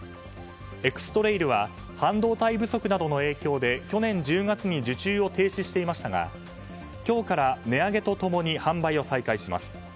エクストレイルは半導体不足などの影響で去年１０月に受注を停止していましたが今日から値上げと共に販売を再開します。